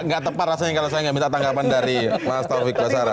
nggak tepat rasanya kalau saya nggak minta tanggapan dari mas taufik basara